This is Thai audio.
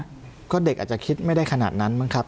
ก็เด็กอาจจะคิดไม่ได้ขนาดนั้นบ้างครับ